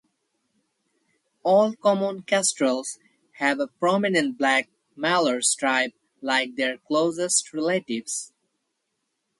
All common kestrels have a prominent black malar stripe like their closest relatives.